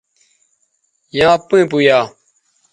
یاں پیئں پویا